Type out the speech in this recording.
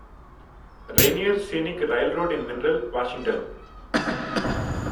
Rainier Scenic Railroad in Mineral, Washington.